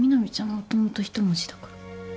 もともと一文字だから。